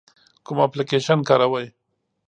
کوم اپلیکیشن کاروئ؟